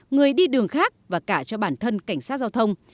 người đi đường khác và cả cho bản thân cảnh sát giao thông